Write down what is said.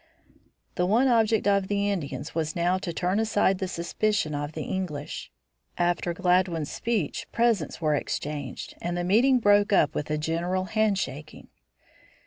The one object of the Indians was now to turn aside the suspicion of the English. After Gladwin's speech presents were exchanged, and the meeting broke up with a general hand shaking.